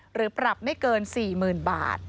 หรือปรับไม่เกิน๔๐๐๐บาท